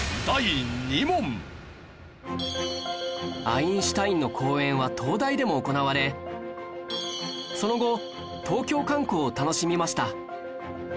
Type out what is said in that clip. アインシュタインの講演は東大でも行われその後東京観光を楽しみました